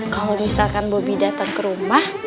kalo misalkan bobby dateng ke rumah